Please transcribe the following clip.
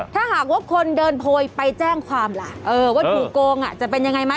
ถ้าหากว่าคนเดินโพยไปแจ้งความล่ะว่าถูกโกงจะเป็นยังไงไหม